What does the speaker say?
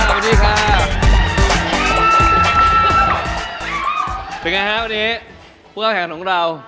วันนี้เป็นไงครับพวกแข่งของเรา